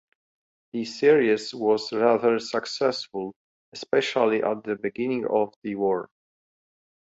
The series was rather successful, especially at the beginning of the war.